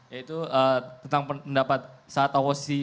yaitu tentang pendapat saat oposisi